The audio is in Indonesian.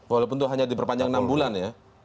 walaupun itu hanya diperpanjang enam bulan ya